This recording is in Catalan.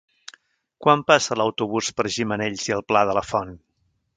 Quan passa l'autobús per Gimenells i el Pla de la Font?